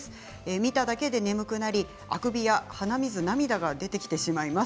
見ただけで眠くなりあくびや鼻水、涙が出てきてしまいます。